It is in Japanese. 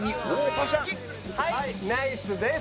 はいナイスです。